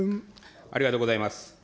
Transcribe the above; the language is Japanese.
ありがとうございます。